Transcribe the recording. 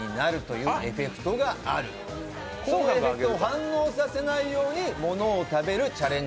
そのエフェクトを反応させないように物を食べるチャレンジ